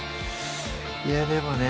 いやでもね